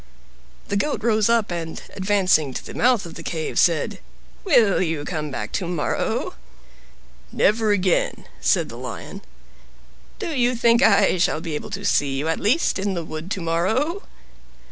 The Goat rose up, and, advancing to the mouth of the cave, said, "Will you come back tomorrow?" "Never again," said the Lion. "Do you think I shall be able to see you, at least, in the wood to morrow?"